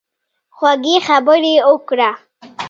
خوږې خبرې وکړه.